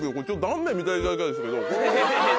断面見ていただきたいんですけど。